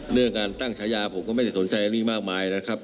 เรื่องการตั้งฉายาผมก็ไม่ได้สนใจอันนี้มากมายนะครับ